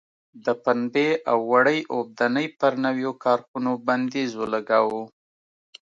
د پنبې او وړۍ اوبدنې پر نویو کارخونو بندیز ولګاوه.